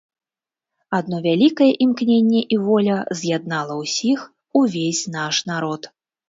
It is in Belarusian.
Адно вялікае імкненне і воля з'яднала ўсіх, увесь наш народ.